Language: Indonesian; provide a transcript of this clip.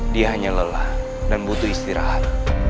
dia hanya lelah dan butuh istirahat